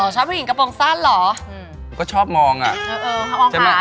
อ๋อชอบผู้หญิงกระโปรงสั้นเหรอก็ชอบมองอะเออมองขาเนอะ